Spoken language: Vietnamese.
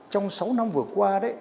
trong sáu năm vừa qua đấy